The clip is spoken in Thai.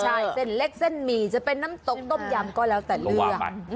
ใช่เส้นเล็กเส้นหมี่จะเป็นน้ำตกต้มยำก็แล้วแต่เลือก